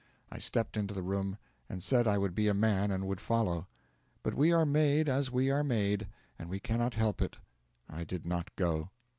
I stepped into the room, and said I would be a man and would follow. But we are made as we are made, and we cannot help it. I did not go.